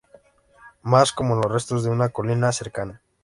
Más como los restos de una colina cercana.